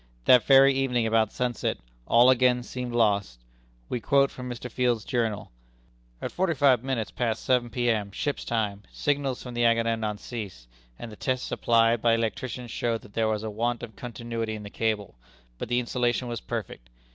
That very evening, about sunset, all again seemed lost. We quote from Mr. Field's journal: "At forty five minutes past seven P.M., ship's time, signals from the Agamemnon ceased, and the tests applied by the electricians showed that there was a want of continuity in the cable, but the insulation was perfect.